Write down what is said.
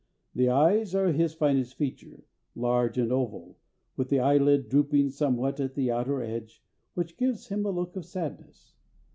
The eyes are his finest feature, large and oval, with the eyelid drooping somewhat at the outer edge, which gives him a look of sadness.